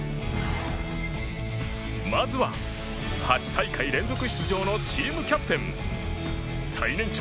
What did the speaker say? まずは８大会連続出場のチームキャプテン最年長